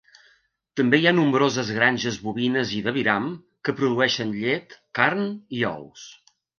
També hi ha nombroses granges bovines i d'aviram, que produeixen llet, carn i ous.